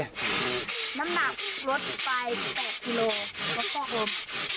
น้ำหนักรถไฟ๘พิโลกรัม